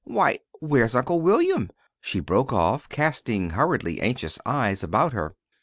Why, where's Uncle William?" she broke off, casting hurriedly anxious eyes about her.